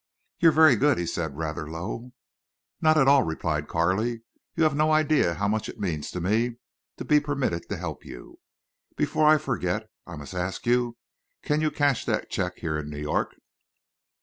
"You're very good," he said, rather low. "Not at all," replied Carley. "You have no idea how much it means to me to be permitted to help you. Before I forget, I must ask you, can you cash that check here in New York?"